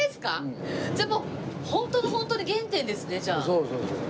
そうそうそう。